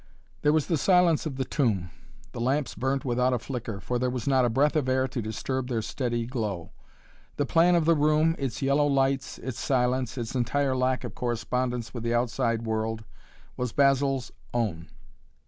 There was the silence of the tomb. The lamps burnt without a flicker, for there was not a breath of air to disturb their steady glow. The plan of the room, its yellow lights, its silence, its entire lack of correspondence with the outside world, was Basil's own.